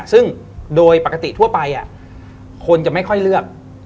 ซึ่งโดยปกติทั่วไปคนจะไม่ค่อยเลือก